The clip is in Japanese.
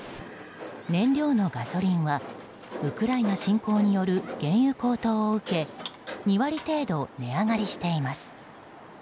燃料のガソリンはウクライナ侵攻による原油高騰を受け２割程度、値上がりしています。